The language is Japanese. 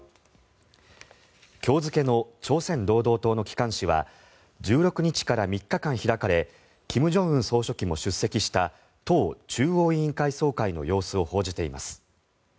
今日付けの朝鮮労働党の機関紙は１６日から３日間開かれ金正恩総書記も出席した党中央委員会総会の様子を報じています。